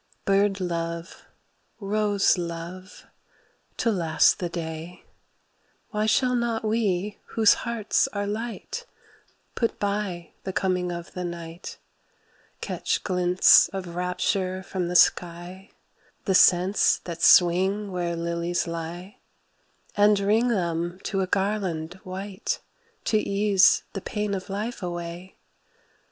Bird love, rose love, to last the day Why shall not we whose hearts are light Put by the coming of the night, Catch glints of rapture from the sky, The scents that swing where lilies lie, And ring them to a garland white To ease the pain of life away?